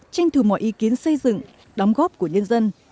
tranh thủ mọi ý kiến xây dựng đóng góp của nhân dân